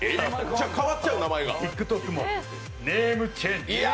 ＴｉｋＴｏｋもネームチェンジ。